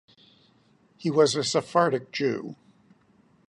He was a Sephardic Jew.